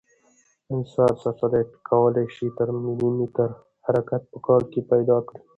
انسار سټلایټ کوای شي تر ملي متر حرکت په کال کې پیدا کړي